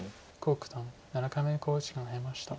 黄九段７回目の考慮時間に入りました。